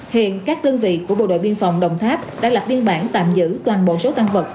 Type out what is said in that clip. hiện các đơn vị của bộ đội biên phòng đồng tháp đã lập biên bản tạm giữ toàn bộ số tăng vật